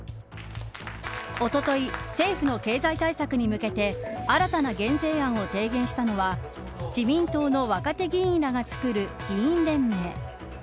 おととい政府の経済対策に向けて新たな減税案を提言したのは自民党の若手議員らがつくる議員連盟。